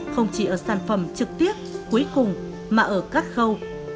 không chỉ ở sản phẩm trực tiếp cuối cùng mà ở các khâu